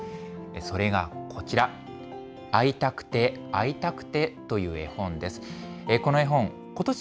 それがこちら、会いたくて会いたくてという絵本です。